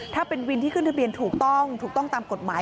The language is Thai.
ถ้าเป็นวินที่ขึ้นทะเบียนถูกต้องถูกต้องตามกฎหมาย